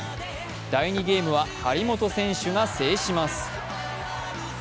第２ゲームは張本選手が制します。